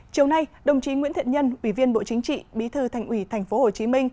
chiều nay đồng chí nguyễn thiện nhân ủy viên bộ chính trị bí thư thành ủy tp hcm